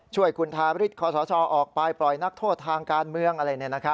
ช่วยคุณธรรมศาสตร์ออกไปปล่อยนักโทษทางการเมืองอะไรแบบนี้นะครับ